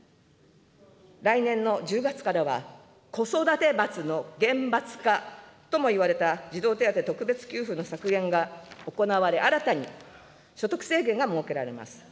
来年の１０月からは子育て罰の厳罰化とも言われた児童手当特別給付の削減が行われ、新たに所得制限が設けられます。